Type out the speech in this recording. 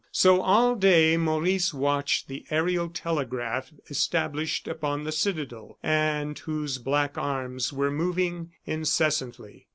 So all day Maurice watched the aerial telegraph established upon the citadel, and whose black arms were moving incessantly.